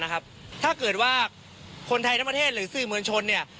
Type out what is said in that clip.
นะครับถ้าเกิดว่าคนไทยน้ำประเทศหรือสื่อเมืองชนเนี้ย